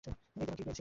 এই দেখো কী পেয়েছি!